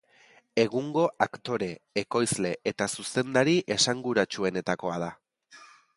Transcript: Egungo aktore, ekoizle eta zuzendari esanguratsuenetakoa da.